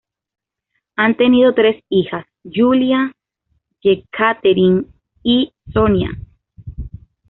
Han tenido tres hijas: Yulia, Yekaterina, y Sonia.